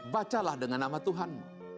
bacalah dengan nama tuhan